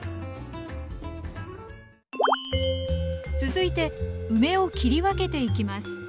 続いて梅を切り分けていきます。